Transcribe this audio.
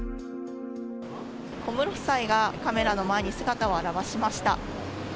小室夫妻がカメラの前に姿を現しました。